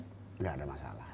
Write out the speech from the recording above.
tidak ada masalah